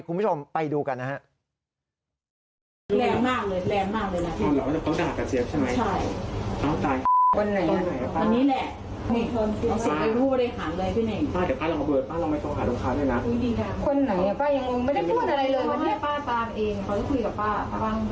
คุณผู้ชมไปดูกันนะฮะ